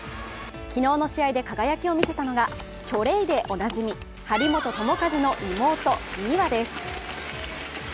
昨日の試合で輝きを見せたのがチョレイでおなじみ、張本智和の妹、美和です。